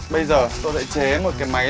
bây giờ tôi sẽ chế một cái máy